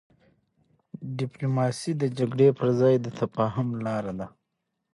ډيپلوماسي د جګړې پر ځای د تفاهم لاره ده.